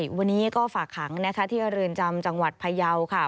ใช่วันนี้ก็ฝากหังที่เอดิลจำจังหวัดพะเยาค่ะ